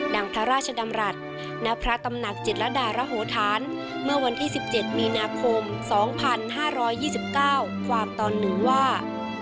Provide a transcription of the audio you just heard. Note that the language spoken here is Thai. พระราชดำรัฐณพระตำหนักจิตรดารโหธานเมื่อวันที่๑๗มีนาคม๒๕๒๙ความตอน๑ว่า